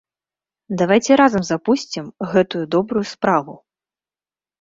Давайце разам запусцім гэтую добрую справу.